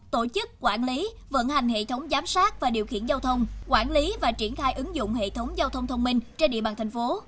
tổ chức quản lý vận hành hệ thống giám sát và điều khiển giao thông quản lý và triển khai ứng dụng hệ thống giao thông thông minh trên địa bàn thành phố